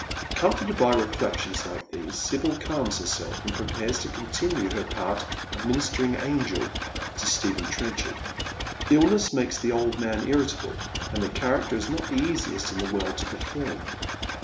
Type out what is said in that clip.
" Comforted by reflections like these, Sibyl calms herself, and prepares to continue her part of ministering angel to Stephen Trenchard. Illness makes the old man irritable, and the chaiacter is not the easiest in tlie world to perform.